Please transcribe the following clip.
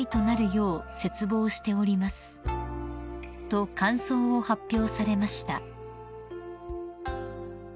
［と感想を発表されました］